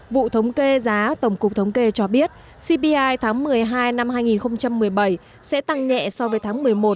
vụ thống kê giá tổng cục thống kê cho biết cpi tháng một mươi hai năm hai nghìn một mươi bảy sẽ tăng nhẹ so với tháng một mươi một